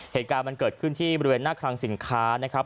เหตุการณ์มันเกิดขึ้นที่บริเวณหน้าคลังสินค้านะครับ